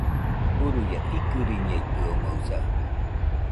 Uruia, ikɨriñeitɨomoɨsa